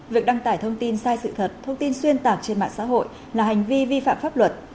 việc đăng tải thông tin sai sự thật thông tin xuyên tạc trên mạng xã hội là hành vi vi phạm pháp luật